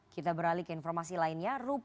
kita beralih ke informasi lainnya